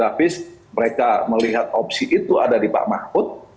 melihat bahwa secara psikologis secara psikografis mereka melihat opsi itu ada di pak mahfud